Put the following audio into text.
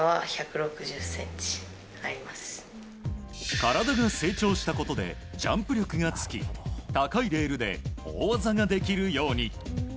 体が成長したことでジャンプ力がつき高いレールで大技ができるように。